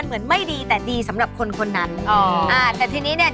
มือที่๓แต่ยังดี